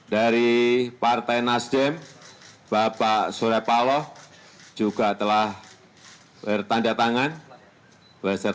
dari partai nasdem bapak surya paloh juga telah bertanda tangan beserta